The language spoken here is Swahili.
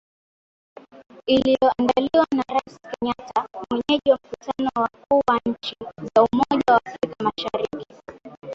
iliyoandaliwa na Rais Kenyatta mwenyeji wa mkutano wa wakuu wa nchi za umoja wa afrika mashariki